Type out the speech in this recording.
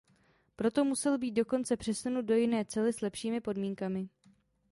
Proto musel být dokonce přesunut do jiné cely s lepšími podmínkami.